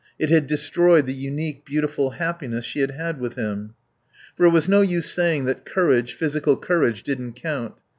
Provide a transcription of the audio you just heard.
It had destroyed the unique, beautiful happiness she had had with him. For it was no use saying that courage, physical courage, didn't count.